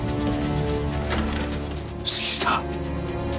杉下。